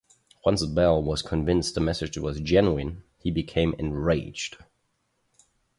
Once Bell was convinced the message was genuine, he became enraged.